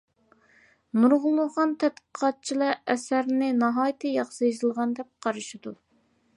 نۇرغۇنلىغان تەنقىدچىلەر ئەسەرنى ناھايىتى ياخشى يېزىلغان دەپ قارىشىدۇ.